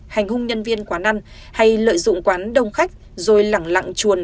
hành hung nhân viên quán ăn hay lợi dụng quán đông khách rồi lẳng lặng chuồn